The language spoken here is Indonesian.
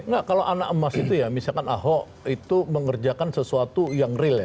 enggak kalau anak emas itu ya misalkan ahok itu mengerjakan sesuatu yang real ya